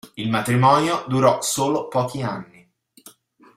Il matrimonio durò solo pochi anni.